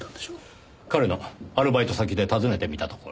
彼のアルバイト先で尋ねてみたところ。